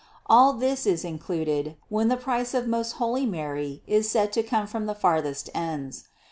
All this is included, when the price of most holy Mary is said to come from the farthest ends.